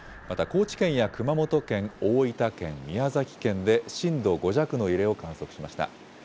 また、高知県や熊本県、大分県、宮崎県で震度５弱の揺れを観測しました。